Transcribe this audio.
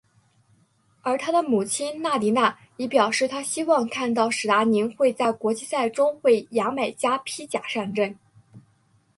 而他的母亲纳迪娜已表示她希望看到史达宁会在国际赛中为牙买加披甲上阵。